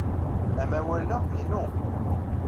Amawal-a inu.